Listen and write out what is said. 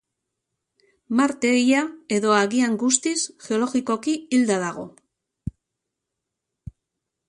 Marte ia, edo agian guztiz, geologikoki hilda dago.